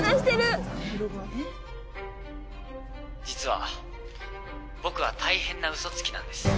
実は僕は大変なウソつきなんです。